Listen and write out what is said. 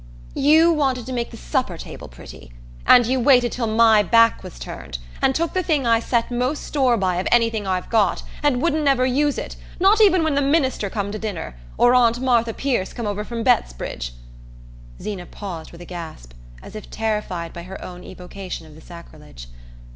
"You wanted to make the supper table pretty; and you waited till my back was turned, and took the thing I set most store by of anything I've got, and wouldn't never use it, not even when the minister come to dinner, or Aunt Martha Pierce come over from Bettsbridge " Zeena paused with a gasp, as if terrified by her own evocation of the sacrilege.